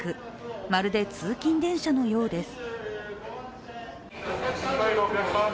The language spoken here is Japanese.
まるで通勤電車のようです。